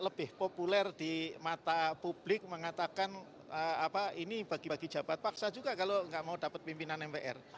lebih populer di mata publik mengatakan ini bagi bagi jabat paksa juga kalau nggak mau dapat pimpinan mpr